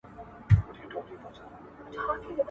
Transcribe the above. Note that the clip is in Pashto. هغه د ټولنو د بدلون لاملونه وښودل.